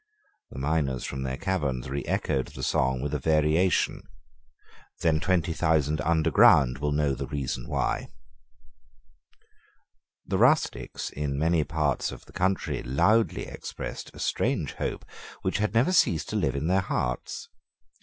The miners from their caverns reechoed the song with a variation: "Then twenty thousand under ground will know the reason why." The rustics in many parts of the country loudly expressed a strange hope which had never ceased to live in their hearts.